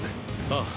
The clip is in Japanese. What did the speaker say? ああ。